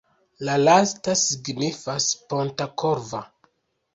La lasta signifas ponta-korva.